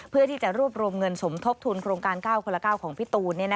เพื่อที่จะรวบรวมเงินสมทบทุนโครงการ๙คนละ๙ของพี่ตูน